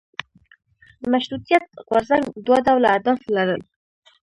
د مشروطیت غورځنګ دوه ډوله اهداف لرل.